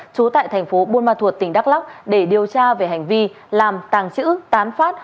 trú tại thành phố buôn ma thuột tỉnh đắk lóc để điều tra về hành vi làm tàng trữ tán phát